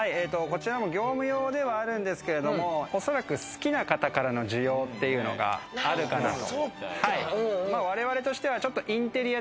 業務用というのはあるんですけれど、おそらく好きな方からの需要というのがあるかなと。